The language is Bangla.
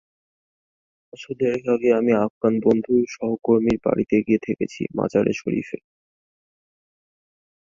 বছর দেড়েক আগে আমি আমার আফগান বন্ধু-সহকর্মীর বাড়িতে গিয়ে থেকেছি—মাজারে শরিফে।